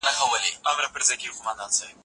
دا د سلیم فطرت غوښتنه ده چي منصف اوسو.